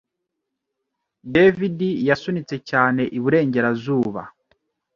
David yasunitse cyane iburengerazuba